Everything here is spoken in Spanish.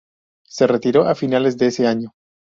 Se retiró a finales de ese año.